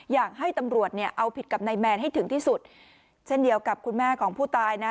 อยากให้ตำรวจเนี่ยเอาผิดกับนายแมนให้ถึงที่สุดเช่นเดียวกับคุณแม่ของผู้ตายนะ